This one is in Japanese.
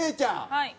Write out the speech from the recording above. はい。